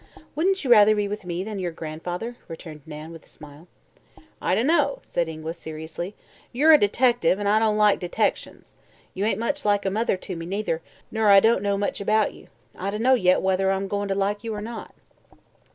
"Wouldn't you rather be with me than with your grandfather?" returned Nan with a smile. "I dunno," said Ingua seriously. "You're a detective, an' I don't like detections. You ain't much like a mother to me, neither, ner I don't know much about you. I dunno yet whether I'm goin' to like you or not."